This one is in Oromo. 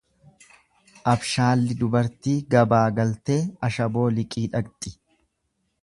Abshaalli dubartii gabaa galtee ashaboo liqii dhaqxi.